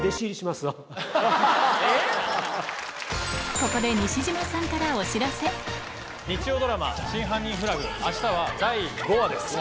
ここで日曜ドラマ『真犯人フラグ』明日は第５話です。